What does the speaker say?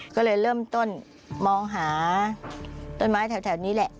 ก็เลยเริ่มต้นมองหาต้นไม้แถวนี้แหละ